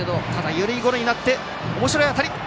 緩いゴロになっておもしろい当たり！